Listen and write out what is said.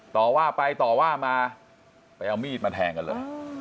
ต่อว่าไปต่อว่ามาไปเอามีดมาแทงกันเลย